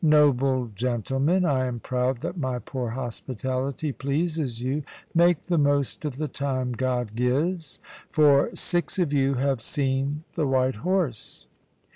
"Noble gentlemen, I am proud that my poor hospitality pleases you. Make the most of the time God gives; for six of you have seen the white horse."